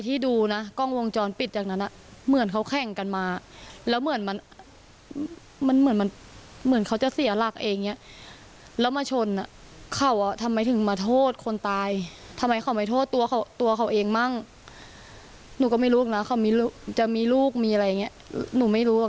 ทำไมเขาถึงไม่คิดถึงคนตายทำไมเขาต้องมาโทษคนตายด้วย